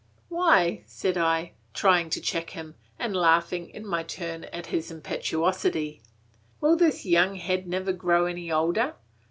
"Why," said I, trying to check him, and laughing in my turn at his impetuosity, "will this young head never grow any older?